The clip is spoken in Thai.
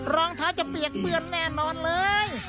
รองเท้าจะเปียกเปื้อนแน่นอนเลย